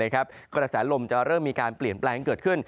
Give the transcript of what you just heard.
กระแสลมจะเริ่มมีการเปลี่ยนแปลงเกิดขึ้น